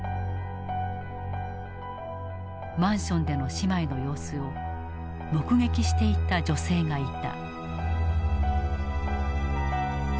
マンションでの姉妹の様子を目撃していた女性がいた。